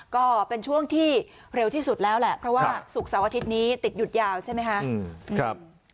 ก็เป็นช่วงที่เร็วที่สุดแล้วแหละเพราะว่าศุกร์เสาร์อาทิตย์นี้ติดหยุดยาวใช่ไหมคะ